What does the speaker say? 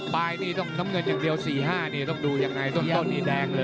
ปลายนี่ต้องน้ำเงินอย่างเดียว๔๕นี่ต้องดูยังไงต้นนี้แดงเลย